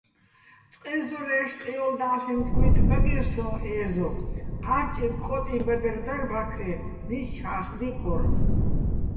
წყე ზორა́ჲში̆ ყიოლდა́ლ'ენო̆ კუ́ჲტი̆ დაგირ სოჼ ე́ზო, ჺა́რჭიჼ კო́ტიჼბადერ დარ ბაქე, მიჩა́ხ დიკორ.